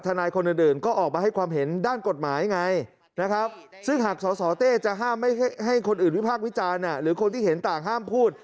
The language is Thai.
ทำให้คนอื่นวิพักษ์วิจารณ์หรือคนที่เห็นต่างห้ามพูด